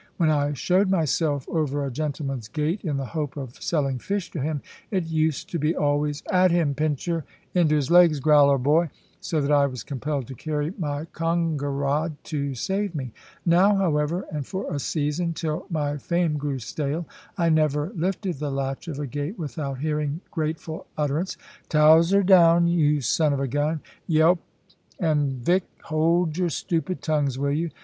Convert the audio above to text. When I showed myself over a gentleman's gate, in the hope of selling fish to him, it used to be always, "At him, Pincher!" "Into his legs, Growler, boy!" so that I was compelled to carry my conger rod to save me. Now, however, and for a season till my fame grew stale, I never lifted the latch of a gate without hearing grateful utterance, "Towser, down, you son of a gun! Yelp and Vick, hold your stupid tongues, will you?"